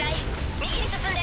右に進んで。